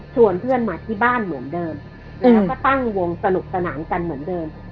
เพื่อนมาที่บ้านเหมือนเดิมแล้วก็ตั้งวงสนุกสนานกันเหมือนเดิม